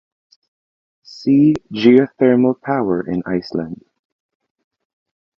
See geothermal power in Iceland.